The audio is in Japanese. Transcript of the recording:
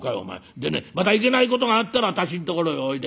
でねまたいけないことがあったら私んところへおいで。